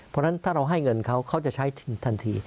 เพราะฉะนั้นถ้าเราให้เงินเขาเขาจะใช้ทันที